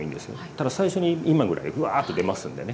ただ最初に今ぐらいウワーッと出ますんでね。